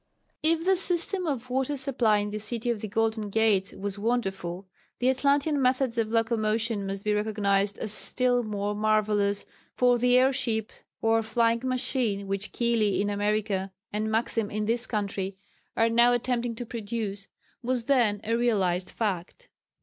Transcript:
If the system of water supply in the "City of the Golden Gates" was wonderful, the Atlantean methods of locomotion must be recognised as still more marvellous, for the air ship or flying machine which Keely in America, and Maxim in this country are now attempting to produce, was then a realized fact.